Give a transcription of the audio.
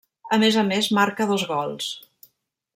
A més a més marca dos gols.